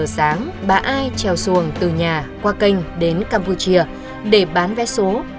sáng bà ai treo xuồng từ nhà qua kênh đến campuchia để bán vé số